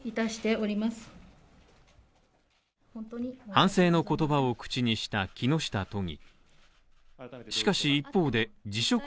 反省の言葉を口にした木下都議。